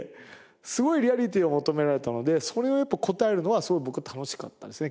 すごいリアリティーを求められたのでそれをやっぱ答えるのはすごい僕は楽しかったですね